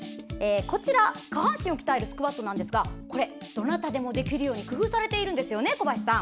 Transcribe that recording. こちらは下半身を鍛えるスクワットですがどなたでもできるように工夫されてるんですよね。